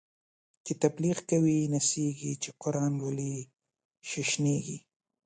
چی تبلیغ کوی نڅیږی، چی قران لولی ششنیږی